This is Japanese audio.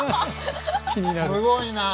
すごいなあ。